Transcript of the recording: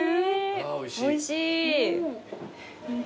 あおいしい。